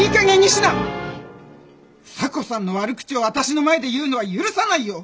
房子さんの悪口をあたしの前で言うのは許さないよ！